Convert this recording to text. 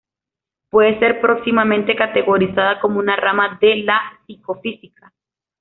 Puede ser próximamente categorizada como una rama de la psicofísica.